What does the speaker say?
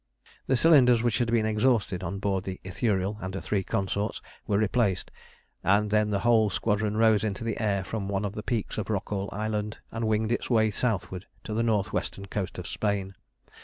The cylinders, which had been exhausted on board the Ithuriel and her three consorts, were replaced, and then the whole squadron rose into the air from one of the peaks of Rockall Island and winged its way southward to the north western coast of Spain.